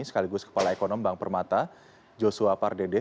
sekaligus kepala ekonom bank permata joshua pardede